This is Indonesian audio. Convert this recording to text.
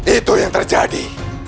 itu yang terjadi